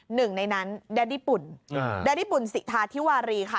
หนึ่งในนั้นแดดดี้ปุ่นสิทาธิวารีค่ะ